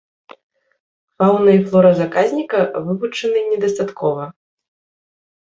Фаўна і флора заказніка вывучаны недастаткова.